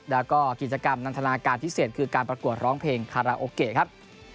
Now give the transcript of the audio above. แล้วก็กิจกรรมนันทนาการพิเศษคือการประกวดร้องเพลงคาราโอเกะครับ